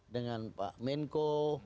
dengan pak menko